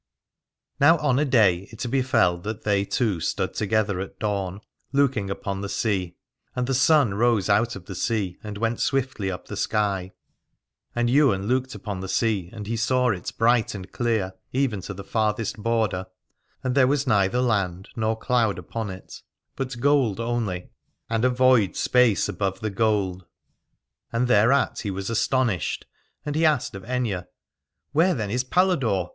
Now on a day it befell that they two stood together at dawn, looking upon the sea : and the sun rose out of the sea and went swiftly up the sky. And Ywain looked upon the sea, and he saw it bright and clear even to the farthest border, and there was neither land nor cloud upon it, but gold only and 271 Aladore a void space above the gold. And thereat he was astonished, and he asked of Aithne : Where then is Paladore?